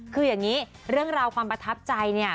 คืออย่างนี้เรื่องความประทับใจ